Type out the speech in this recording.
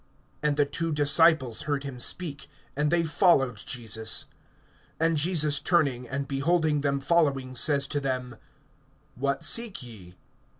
(37)And the two disciples heard him speak, and they followed Jesus. (38)And Jesus turning, and beholding them following, says to them: What seek ye?